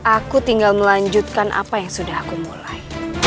aku tinggal melanjutkan apa yang sudah aku mulai